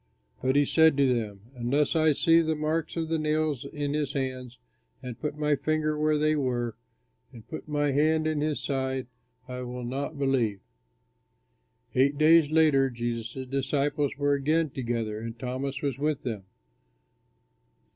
But he said to them, "Unless I see the marks of the nails in his hands and put my finger where they were and put my hand in his side, I will not believe." Eight days later Jesus' disciples were again together, and Thomas was with them.